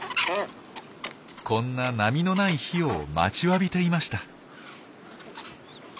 こんな波のない日を待ちわびていました。